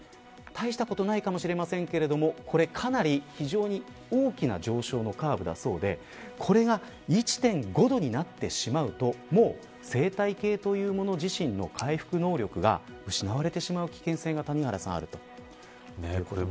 大したことないかもしれませんがこれはかなり非常に大きな上昇のカーブだそうでこれが１．５度になってしまうともう生態系というもの自身の回復能力が失われてしまう危険性があると。